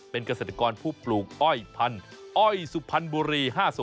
เป็นเกษตรกรผู้ปลูกอ้อยพันธุ์อ้อยสุพรรณบุรี๕๐